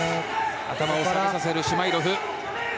頭を下げさせるシュマイロフ。